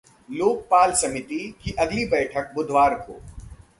लोकपाल समिति की अगली बैठक बुधवार को